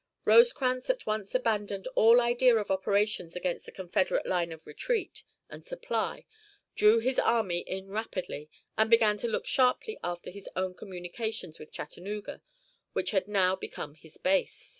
Rosecrans at once abandoned all idea of operations against the Confederate line of retreat and supply, drew his army in rapidly, and began to look sharply after his own communications with Chattanooga, which had now become his base.